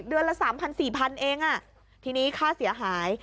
เดือนละ๓๐๐๐๔๐๐๐เองทีนี้ค่าเสียหาย